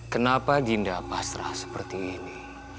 kenapa dinda pasrah seperti ini